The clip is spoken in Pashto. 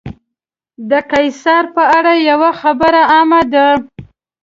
د قیصر په اړه یوه خبره عامه ده.